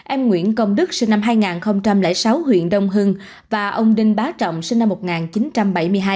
em nguyễn công đức sinh năm hai nghìn sáu huyện đông hưng và ông đinh bá trọng sinh năm một nghìn chín trăm bảy mươi hai